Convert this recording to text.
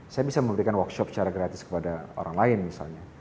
saya bisa memberikan workshop secara gratis kepada orang lain misalnya